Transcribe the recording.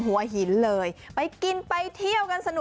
หวานเวิร์ด